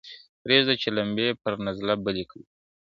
پرېږده چي لمبې پر نزله بلي کړي ,